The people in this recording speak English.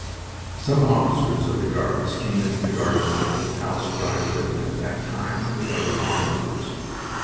Some officers of the Guards came into the garden of the little house where I lived at that time with other onlookers.